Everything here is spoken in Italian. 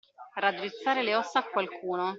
Raddrizzare le ossa a qualcuno.